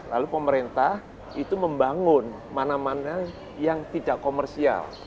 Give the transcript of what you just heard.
lalu pemerintah itu membangun mana mana yang tidak komersial